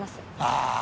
ああ！